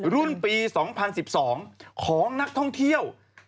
รุ่นปี๒๐๑๒ของนักท่องเที่ยว